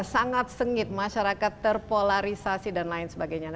sangat sengit masyarakat terpolarisasi dan lain sebagainya